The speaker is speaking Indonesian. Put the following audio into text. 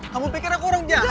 kamu pikir aku orang jahat